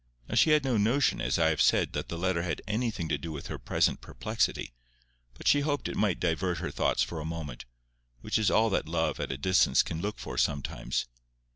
Now she had no notion, as I have said, that the letter had anything to do with her present perplexity, but she hoped it might divert her thoughts for a moment, which is all that love at a distance can look for sometimes.